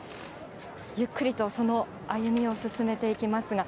ゆっくりとその歩みを進めていきますが。